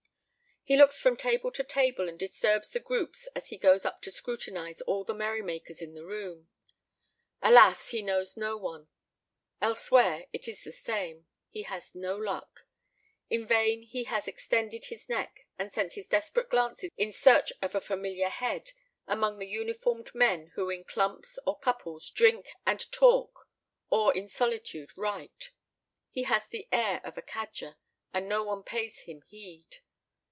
He looks from table to table, and disturbs the groups as he goes up to scrutinize all the merrymakers in the room. Alas, he knows no one! Elsewhere, it is the same; he has no luck. In vain he has extended his neck and sent his desperate glances in search of a familiar head among the uniformed men who in clumps or couples drink and talk or in solitude write. He has the air of a cadger, and no one pays him heed.